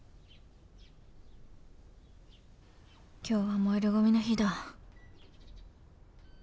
今日は燃えるごみの日だ